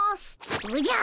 おじゃ！